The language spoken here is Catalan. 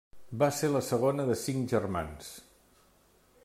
Va ser la segona de cinc germans.